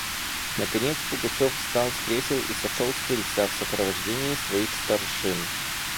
Наконец Пугачев встал с кресел и сошел с крыльца в сопровождении своих старшин.